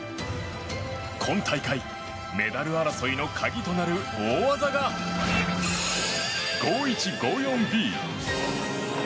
今大会メダル争いの鍵となる大技が、５１５４Ｂ。